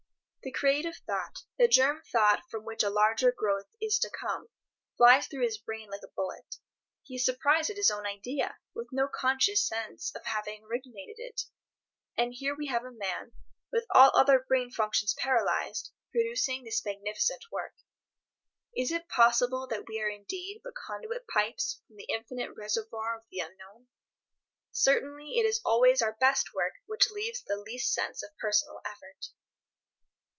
The creative thought—the germ thought from which a larger growth is to come, flies through his brain like a bullet. He is surprised at his own idea, with no conscious sense of having originated it. And here we have a man, with all other brain functions paralyzed, producing this magnificent work. Is it possible that we are indeed but conduit pipes from the infinite reservoir of the unknown? Certainly it is always our best work which leaves the least sense of personal effort.